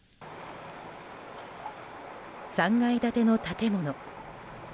３階建ての建物。